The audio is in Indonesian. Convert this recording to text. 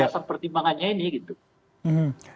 pasang pertimbangannya ini gitu